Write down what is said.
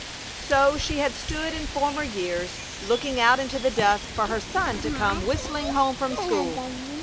So she had stood in former years looking out into the dusk for her son to come whistling home from school.